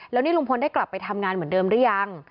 แล้วนี่ลุงพลได้กลับไปทำงานเหมือนเดิมหรือยัง